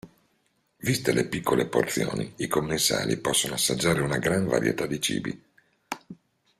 Viste le piccole porzioni i commensali possono assaggiare una gran varietà di cibi.